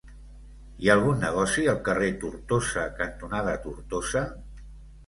Hi ha algun negoci al carrer Tortosa cantonada Tortosa?